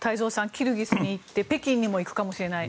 キルギスに行って北京にも行くかもしれない。